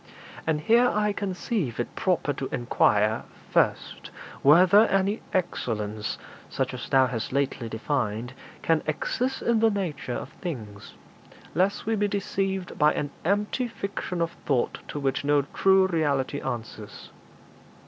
And here I conceive it proper to inquire, first, whether any excellence, such as thou hast lately defined, can exist in the nature of things, lest we be deceived by an empty fiction of thought to which no true reality answers.